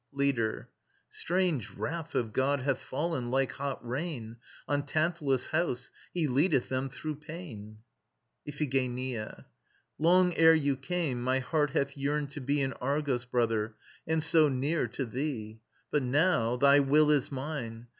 LEADER. Strange wrath of God hath fallen, like hot rain, On Tantalus' house: he leadeth them through pain. IPHIGENIA. Long ere you came my heart hath yearned to be In Argos, brother, and so near to thee: But now thy will is mine.